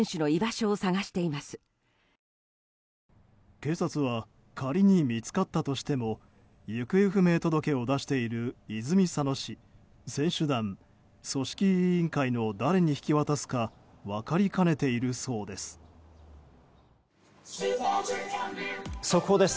警察は仮に見つかったとしても行方不明届を出している泉佐野市選手団、組織委員会の誰に引き渡すか分かりかねているそうです。